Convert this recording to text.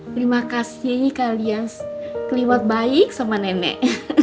terima kasih kak lias kelihatan baik sama nenek